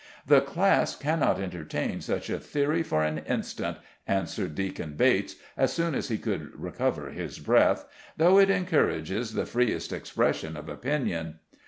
"The class cannot entertain such a theory for an instant," answered Deacon Bates, as soon as he could recover his breath, "though it encourages the freest expression of opinion."